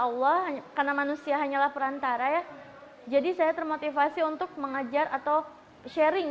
allah karena manusia hanyalah perantara ya jadi saya termotivasi untuk mengajar atau sharing